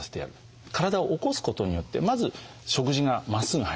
体を起こすことによってまず食事がまっすぐ入りますね。